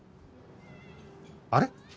あれ？